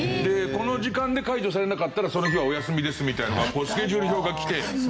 この時間で解除されなかったらその日はお休みですみたいなスケジュール表がきて。